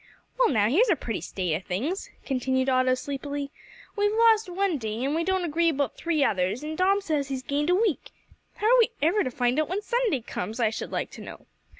"Well, now, here's a pretty state of things," continued Otto, sleepily; "we've lost one day, an' we don't agree about three others, and Dom says he's gained a week! how are we ever to find out when Sunday comes, I should like to know?